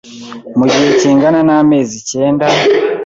mu gihe kingana n’amezi icyenda